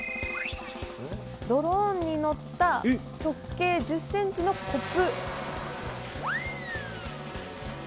ドローンに乗った直径１０ｃｍのコップ。